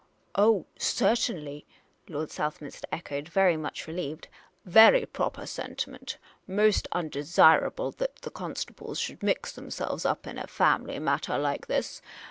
" Oh, certainly," Lord Southminster echoed, much re lieved. " Very propah sentiment! Most undCvSirable that the constables should mix themselves up in a family mattah like this.